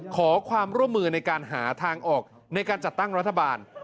ขอความร่วมมือในการหาทางออกในการจัดตั้งรัฐบาล